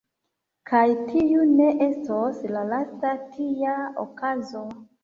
Kaj tiu ne estos la lasta tia okazo.